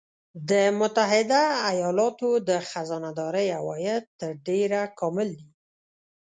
د متحده ایالاتو د خزانه داری عواید تر ډېره کامل دي